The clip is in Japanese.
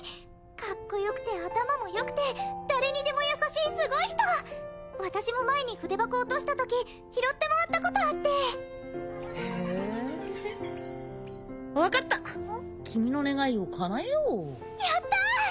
かっこよくて頭も良くて誰にでも優しいすごい人私も前に筆箱落とした時拾ってもらったことあってへえ分かった君の願いを叶えようやった！